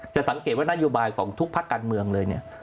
สังเกตว่านโยบายของทุกภาคการเมืองเลยเนี่ย